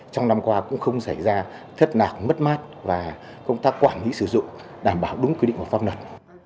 trong năm qua cũng không xảy ra thất nạc mất mát và công tác quản lý sử dụng đảm bảo đúng quy định của pháp luật